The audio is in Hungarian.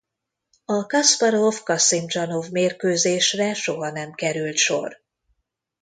A Kaszparov–Kaszimdzsanov-mérkőzésre soha nem került sor.